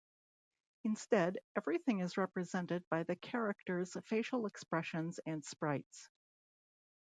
Instead, everything is represented by the character's facial expressions and sprites.